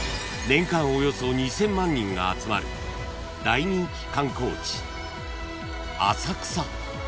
［年間およそ２，０００万人が集まる大人気観光地浅草］